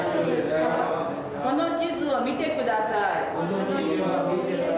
この地図を見てください。